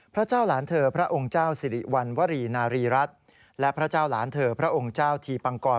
พระเจ้าหลานเธอพระองค์เจ้าสิริวัณวรีนารีรัฐและพระเจ้าหลานเธอพระองค์เจ้าทีปังกร